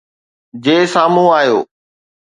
جي سامهون آيو